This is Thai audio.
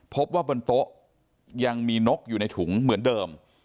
พบว่าบนโต๊ะยังมีนกอยู่ในถุงเหมือนเดิม